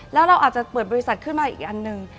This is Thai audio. แล้วเราอาจจะเปิดบริษัทขึ้นมาอีกอันหนึ่ง